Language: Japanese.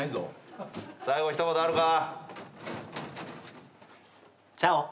最後一言あるか？